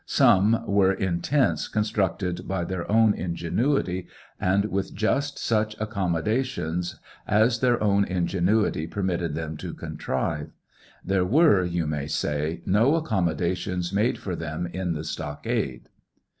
some were in tenta constructed by their own ingenuity, and with just such accommodations as their own ingenuity permitted them to contrive ; there were, you may say, no accommodations made for them in the stockade.